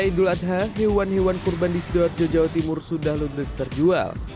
lima hari jelang hari lain hewan hewan kurban di segera jawa timur sudah lulus terjual